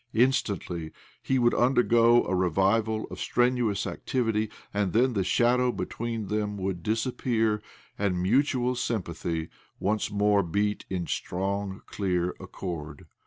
Instantly he would undergo a revival of strenuous activity ; and then the shadow between them would dis appear, and mutual sympathy once more beat in strong, clear accord.